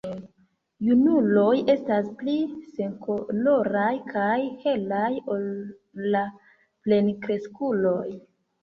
Junuloj estas pli senkoloraj kaj helaj ol la plenkreskuloj.